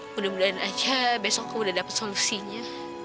mudah mudahan aja besok aku udah dapat solusinya